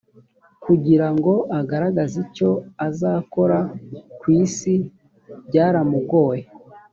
kugira ngo agaragaze icyo azakora ku isi byaramugoye.